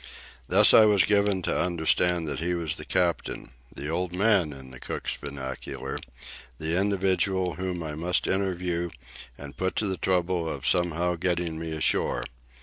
Thus I was given to understand that he was the captain, the "Old Man," in the cook's vernacular, the individual whom I must interview and put to the trouble of somehow getting me ashore.